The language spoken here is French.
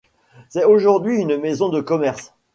C'est aujourd'hui une maison de commerce.